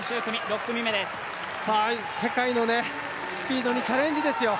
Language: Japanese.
世界のスピードにチャレンジですよ。